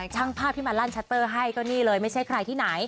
ช่างภาพที่มาลั่นชัตเตอร์ให้ก็นี่เลยไม่ใช่ใครที่ไหน